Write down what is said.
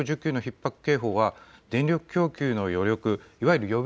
電力需給のひっ迫警報は電力供給の余力